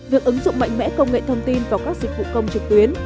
việc ứng dụng mạnh mẽ công nghệ thông tin vào các dịch vụ công trực tuyến